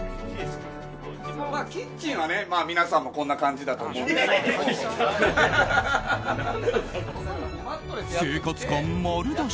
キッチンはね、皆さんもこんな感じだと思うんですけど。